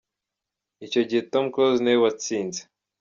Icyo gihe Tom Close ni we watsinze.